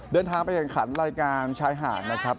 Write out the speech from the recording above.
เดินทางไปแข่งขันรายการชายหาดนะครับ